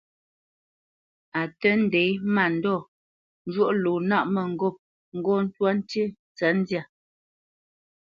A tə́ ndě mándɔ njwóʼ lo nâʼ mə̂ŋgôp ŋgɔ́ ntwá ntí ntsəndyâ.